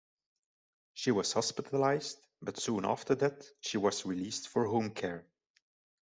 She was hospitalised but soon after that she was released for home care.